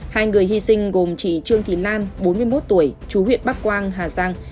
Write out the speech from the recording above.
hai người hy sinh gồm chị trương thị lan bốn mươi một tuổi chú huyện bắc quang hà giang